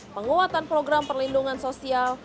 penguatan program perlindungan sosial